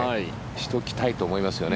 しておきたいと思いますよね